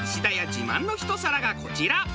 自慢のひと皿がこちら。